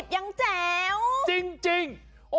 ยังแจ๋วจริง